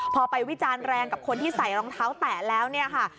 พอไปวิจารณ์แรงกับคนที่ใส่รองเท้าแตะแล้วเนี่ยค่ะ